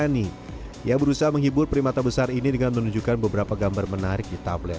pria dan istrinya yang sedang merekam video ini memang cibur peri mata besar ini dengan menunjukkan beberapa gambar menarik di tablet